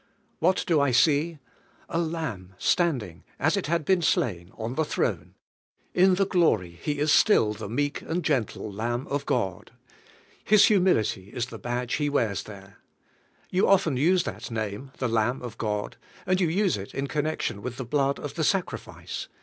What do I see? A Lamb standing, as it had been slain, on the throne; in the glory He is still the meek and gen tle Lamb of God. His humility is the badge He wears there. You often use that name — the Lamb of God — and you use it in connection with the blood of the sacrifice.